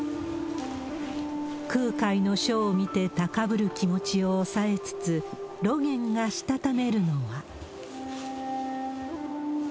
空海の書を見て、高ぶる気持ちを抑えつつ、露巌がしたためるのは。